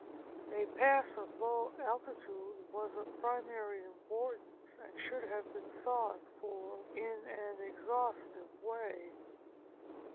A pass of low altitude was of primary importance and should have been sought for in an exhaustive way.